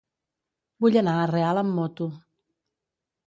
Vull anar a Real amb moto.